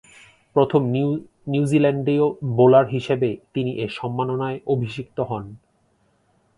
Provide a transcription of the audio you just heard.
প্রথম নিউজিল্যান্ডীয় বোলার হিসেবে তিনি এ সম্মাননায় অভিষিক্ত হন।